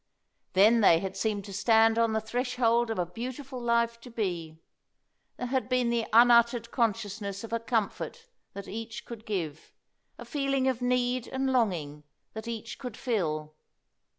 Then they had seemed to stand on the threshold of a beautiful life to be. There had been the unuttered consciousness of a comfort that each could give a feeling of need and longing that each could fill.